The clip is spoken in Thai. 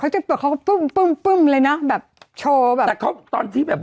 จะเปิดเขาก็ปึ้มปึ้มปึ้มเลยนะแบบโชว์แบบแต่เขาตอนที่แบบ